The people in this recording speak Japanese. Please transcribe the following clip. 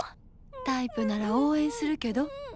タイプなら応援するけど？